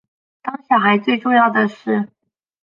当小孩最重要的事